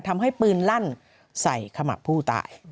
ทำให้ปืนลั่นใส่ขมับผู้ตาย